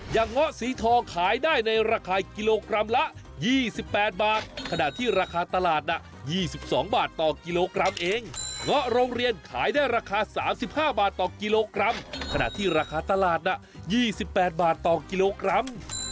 เงาะสีทองขายได้ในราคากิโลกรัมละ๒๘บาทขณะที่ราคาตลาดน่ะ๒๒บาทต่อกิโลกรัมเองเงาะโรงเรียนขายได้ราคา๓๕บาทต่อกิโลกรัมขณะที่ราคาตลาดน่ะ๒๘บาทต่อกิโลกรัม